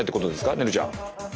ねるちゃん。